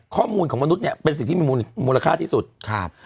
ข้อมูลของมนุษย์เนี่ยเป็นสิ่งที่มีมูลค่าที่สุดครับ